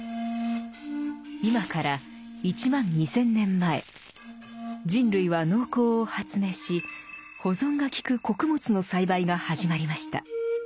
今から１万２，０００年前人類は農耕を発明し保存が利く穀物の栽培が始まりました。